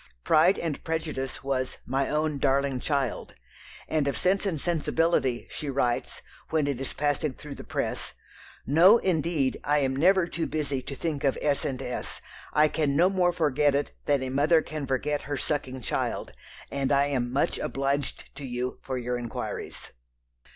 Pride and Prejudice was "my own darling child," and of Sense and Sensibility she writes, when it is passing through the press: "No, indeed, I am never too busy to think of S. and S. I can no more forget it than a mother can forget her sucking child; and I am much obliged to you for your inquiries."